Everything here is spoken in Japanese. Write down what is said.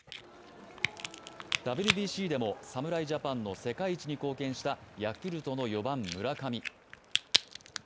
ＷＢＣでも侍ジャパンの世界一に貢献したヤクルトの４番・村上。